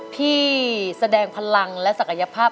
ที่แสดงพลังและศักยภาพ